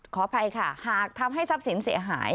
ขออภัยค่ะหากทำให้ทรัพย์สินเสียหาย